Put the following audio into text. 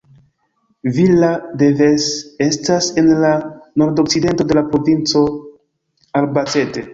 Villa de Ves estas en la nordokcidento de la provinco Albacete.